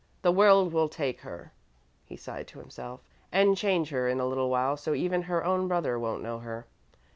"The world will take her," he sighed to himself, "and change her in a little while so even her own brother won't know her.